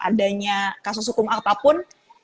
adanya kasus hukum apapun